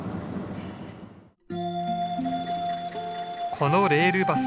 このレールバス